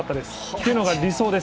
というのが理想です。